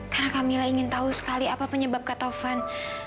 karena kamila ingin tahu sekali apa penyebab kak tovan